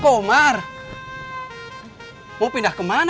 terus sampe bilang tahan makacdyi